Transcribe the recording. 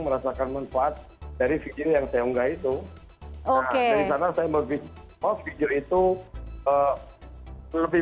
merasakan manfaat dari video yang saya unggah itu oke karena saya lebih mau video itu lebih